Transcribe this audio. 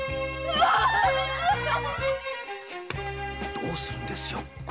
どうするんですよ？